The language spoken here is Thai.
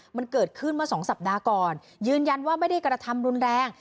มันเกิดขึ้นเมื่อสองสัปดาห์ก่อนยืนยันว่าไม่ได้กระทำรุนแรง